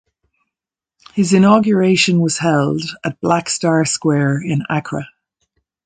His inauguration was held at Black Star Square in Accra.